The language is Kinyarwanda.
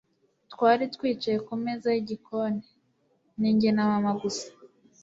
twari twicaye kumeza yigikoni, ni njye na mama gusa